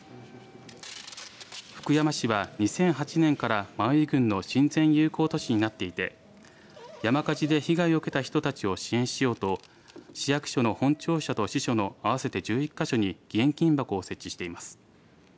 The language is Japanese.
福山市は２００８年からマウイ郡の親善友好都市になっていて山火事で被害を受けた人たちを支援しようと市役所の本庁舎と支所の合わせて１１か所に義援金箱を設置しています。